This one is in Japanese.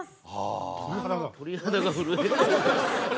「鳥肌が震えてる」